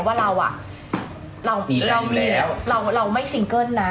ว่าเราอ่ะเราไม่ซิงเกิ้ลนะ